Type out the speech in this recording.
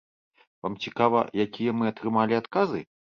Вам цікава, якія мы атрымалі адказы?